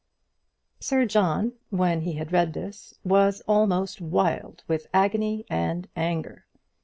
Sir John, when he had read this, was almost wild with agony and anger.